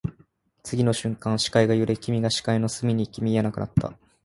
次の瞬間、視界が揺れ、君が視界の隅に行き、見えなくなった